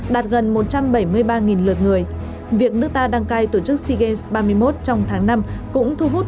đạt gần một trăm bảy mươi ba lượt người việc nước ta đăng cai tổ chức sea games ba mươi một trong tháng năm cũng thu hút